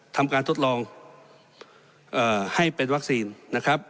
ทำการทดลองให้เป็นวัคซีนนะครับ